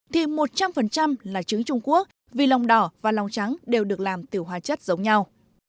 thì một trăm linh là trứng trung quốc vì lòng đỏ và lòng trắng đều được làm từ hóa chất giống nhau